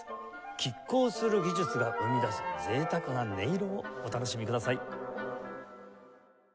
拮抗する技術が生み出す贅沢な音色をお楽しみください。